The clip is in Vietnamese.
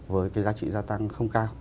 với cái giá trị gia tăng không cao